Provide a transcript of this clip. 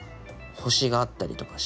星があったりとかして。